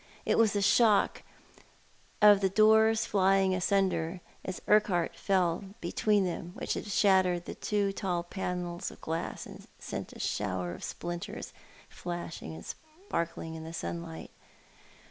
It was the shock of the doors flying asunder as Urquhart fell between them which had shattered the two tall panels of glass and sent a shower of splinters flashing and sparkling in the sunlight.